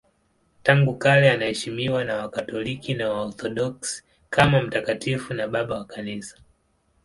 Tangu kale anaheshimiwa na Wakatoliki na Waorthodoksi kama mtakatifu na Baba wa Kanisa.